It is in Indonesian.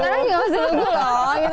sekarang juga masih dugu loh